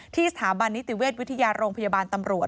สถาบันนิติเวชวิทยาโรงพยาบาลตำรวจ